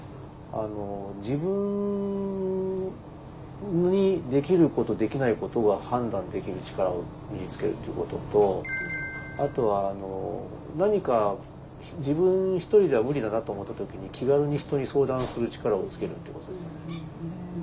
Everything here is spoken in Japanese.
自分にできることできないことが判断できる力を身につけるということとあとは何か自分ひとりでは無理だなと思った時に気軽に人に相談する力をつけるっていうことですよね。